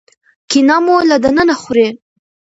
کینه مو له دننه خوري.